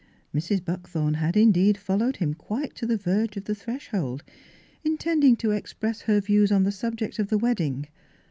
Mrs. Buckthorn had, indeed, followed him quite to the verge of the threshold, intending to ex press her views on the subject of the wed ding.